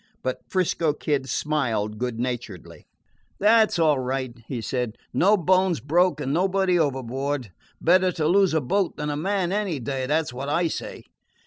But 'Frisco Kid smiled good naturedly. "That 's all right," he said. "No bones broke and nobody overboard. Better to lose a boat than a man any day; that 's what I say.